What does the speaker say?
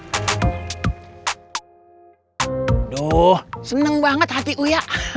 aduh senang banget hati uya